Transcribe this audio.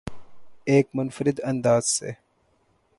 ایک منفرد انداز سے